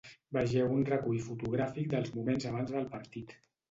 Vegeu un recull fotogràfic dels moments abans del partit.